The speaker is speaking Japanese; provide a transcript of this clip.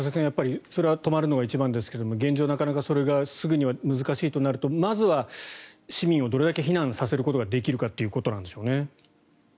やっぱり止まるのが一番ですが現状、すぐには難しいとなると、まずは市民をどれだけ避難させることができるかということでしょうね。